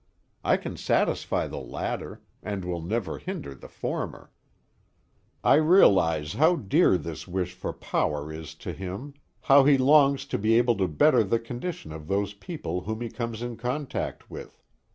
I can satisfy the latter, and will never hinder the former. I realize how dear this wish for power is to him; how he longs to be able to better the condition of those people whom he comes in contact with.